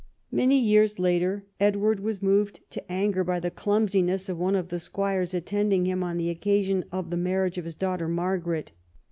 Many years later Edward was moved to anger by the clumsiness of one of the squires attending him on the occasion of the marriage of his daughter Margaret.